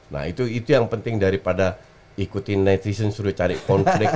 nah itu yang penting daripada ikuti netizen suruh cari konflik